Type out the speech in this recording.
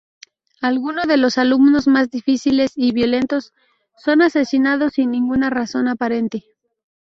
Algunos de los alumnos más difíciles y violentos son asesinados sin ninguna razón aparente.